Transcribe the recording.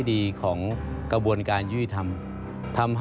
อันดับที่สุดท้าย